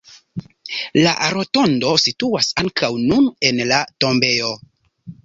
La rotondo situas ankaŭ nun en la tombejo.